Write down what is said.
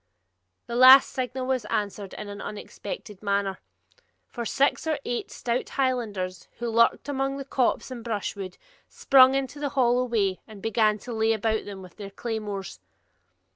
This last signal was answered in an unexpected manner; for six or eight stout Highlanders, who lurked among the copse and brushwood, sprung into the hollow way and began to lay about them with their claymores.